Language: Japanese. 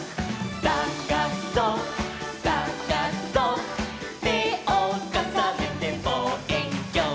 「さがそさがそ」「てをかさねてぼうえんきょう」